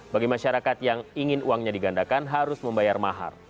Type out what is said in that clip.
bagi masyarakat yang ingin uangnya digandakan harus membayar mahar